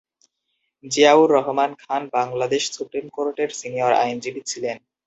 Ziaur Rahman Khan Bangladesh supreme কোর্টের senior আইনজীবী ছিলেন।